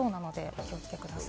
お気をつけください。